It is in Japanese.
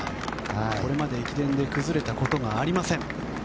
これまで駅伝で崩れたことがありません。